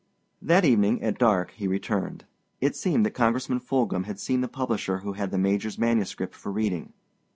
That evening, at dark, he returned. It seemed that Congressman Fulghum had seen the publisher who had the Major's manuscript for reading.